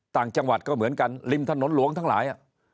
ต่างจังหวัดก็เหมือนกันริมถนนหลวงทั้งหลาย